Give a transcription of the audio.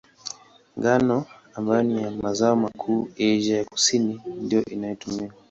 Ngano, ambayo ni mazao makuu Asia ya Kusini, ndiyo inayotumiwa.